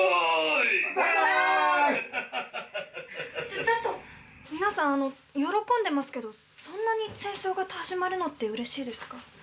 ちょっと皆さん喜んでますけどそんなに戦争が始まるのってうれしいですか？